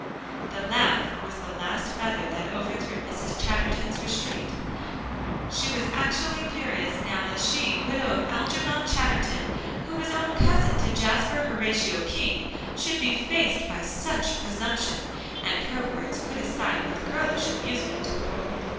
The laugh was the last feather that overthrew Mrs. Chatterton's restraint. She was actually furious now that she, widow of Algernon Chatterton, who was own cousin to Jasper Horatio King, should be faced by such presumption, and her words put aside with girlish amusement.